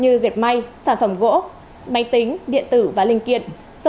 như diệt may sản phẩm gỗ máy tính điện tử và linh kiện